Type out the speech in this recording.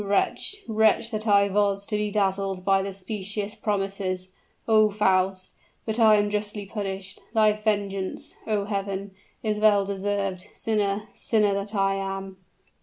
Wretch wretch that I was to be dazzled by the specious promises, O Faust! But I am justly punished thy vengeance, O Heaven, is well deserved sinner, sinner that I am!"